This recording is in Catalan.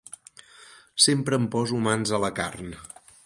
Sempre em poso mans a la carn.